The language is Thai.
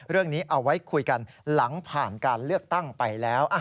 เรื่องนี้เอาไว้คุยกันหลังผ่านการเลือกตั้งไปแล้ว